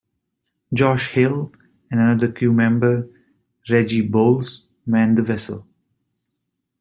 Josh Hayl and another crew member, Reggie Boles manned the vessel.